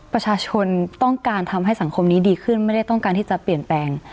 ประชาชนต้องการทำให้สังคมนี้ดีขึ้นไม่ได้ต้องการที่จะเปลี่ยนแปลง